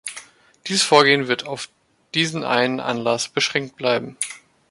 Dieses Vorgehen wird auf diesen einen Anlass beschränkt bleiben.